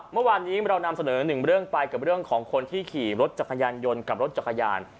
เมื่อวานนี้เรานำเสนอหนึ่งเรื่องไปกับเรื่องของคนที่ขี่รถจักรยานยนต์กับรถจักรยาน